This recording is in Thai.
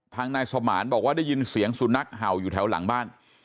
ทางนายสมานบอกว่าได้ยินเสียงสุนัขเห่าอยู่แถวหลังบ้าน